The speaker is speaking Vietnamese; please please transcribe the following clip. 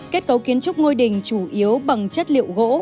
kết cấu kiến trúc ngôi đình chủ yếu bằng chất liệu gỗ